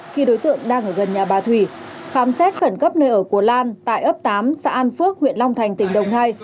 khi đối tượng đang ở gần nhà bà thủy khám xét khẩn cấp nơi ở của lan tại ấp tám xã an phước huyện long thành tỉnh đồng nai